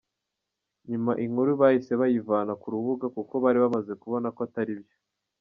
Nyuma inkuru bahise bayivana ku rubuga kuko bari bamaze kubona ko atari byo.